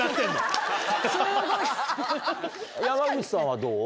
山口さんはどう？